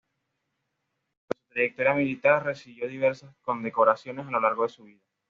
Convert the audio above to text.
Por su trayectoria militar recibió diversas condecoraciones a lo largo de su vida.